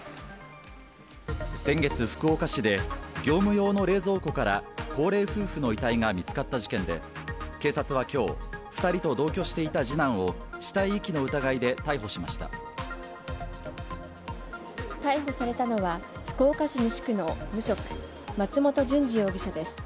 先月、福岡市で、業務用の冷蔵庫から高齢夫婦の遺体が見つかった事件で、警察はきょう、２人と同居していた次男を、逮捕されたのは、福岡市西区の無職、松本淳二容疑者です。